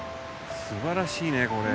すばらしいねこれ。